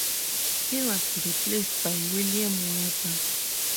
He was replaced by William Weber.